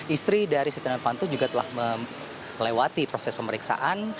istri dari stiano fanto juga telah melewati proses pemeriksaan